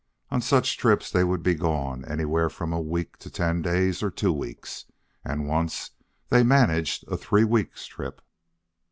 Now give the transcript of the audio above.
On such trips they would be gone anywhere from a week to ten days or two weeks, and once they managed a three weeks' trip.